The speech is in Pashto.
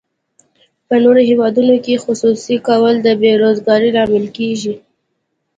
په نورو هیوادونو کې خصوصي کول د بې روزګارۍ لامل کیږي.